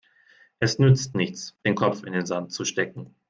Es nützt nichts, den Kopf in den Sand zu stecken.